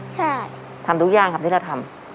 ใช่ทำทุกอย่างครับที่เราทำ